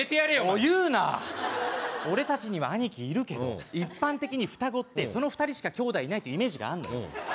お前言うな俺達には兄貴いるけど一般的に双子ってその２人しか兄弟いないというイメージがあんのよ